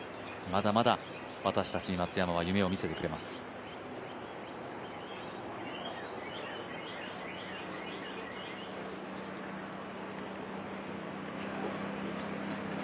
まだまだ私たちに松山は夢をみせてくれています。